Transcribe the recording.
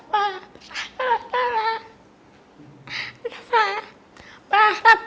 pertama mengajar orang orang untuk berikan masalah